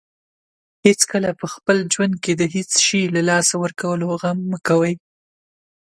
هیڅکله په خپل ژوند کې د هیڅ شی له لاسه ورکولو غم مه کوئ.